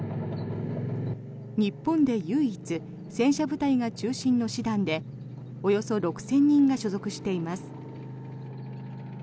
日本で唯一戦車部隊が中心の師団でおよそ６０００人が所属しています。